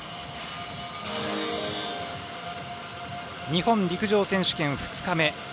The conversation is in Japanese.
日本陸上選手権２日目。